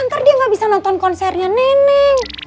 ntar dia ga bisa nonton konsernya neneng